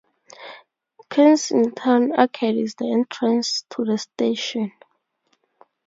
Kensington Arcade is the entrance to the station.